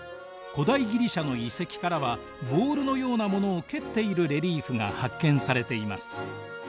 古代ギリシャの遺跡からはボールのようなものを蹴っているレリーフが発見されています。